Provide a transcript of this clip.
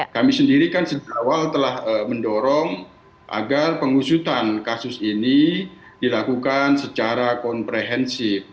kami sendiri kan sejak awal telah mendorong agar pengusutan kasus ini dilakukan secara komprehensif